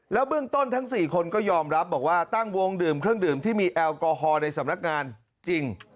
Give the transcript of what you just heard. เบื้องต้นทั้ง๔คนก็ยอมรับบอกว่าตั้งวงดื่มเครื่องดื่มที่มีแอลกอฮอล์ในสำนักงานจริง